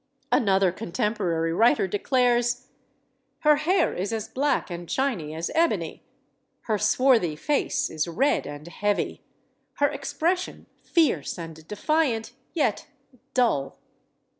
Another contemporary writer declares: "Her hair is as black and shiny as ebony; her swarthy face is red and heavy; her expression fierce and defiant, yet dull."